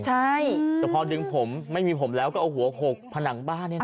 ใช่แต่พอดึงผมไม่มีผมแล้วก็เอาหัวโขกผนังบ้านนี่นะ